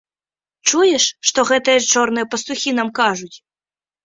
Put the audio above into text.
Чуеш, што гэтыя чорныя пастухі нам кажуць?